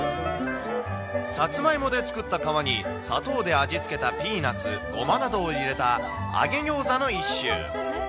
サツマイモで作った皮に、砂糖で味付けたピーナツ、ごまなどを入れた揚げギョーザの一種。